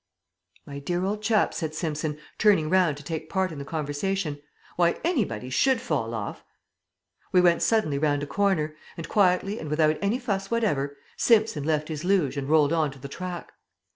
"My dear old chap," said Simpson, turning round to take part in the conversation, "why anybody should fall off " We went suddenly round a corner, and quietly and without any fuss whatever Simpson left his luge and rolled on to the track.